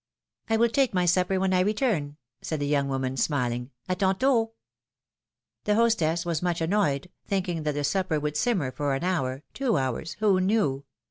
I will take my supper when I return," said the young woman, smiling ; d tantoL^' The hostess was much annoyed, thinking that the supper would simmer for an hour, two hours, who knew?